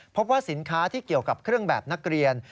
พบว่าสินค้าที่เกี่ยวกับเครื่องแบบนักเรียน